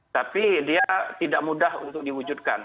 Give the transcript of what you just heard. tapi dia tidak mudah untuk diwujudkan